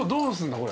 これ。